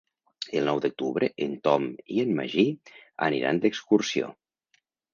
El nou d'octubre en Tom i en Magí aniran d'excursió.